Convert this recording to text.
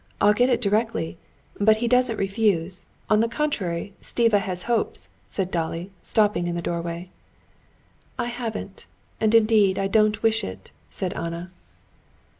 "I'll get it directly. But he doesn't refuse; on the contrary, Stiva has hopes," said Dolly, stopping in the doorway. "I haven't, and indeed I don't wish it," said Anna.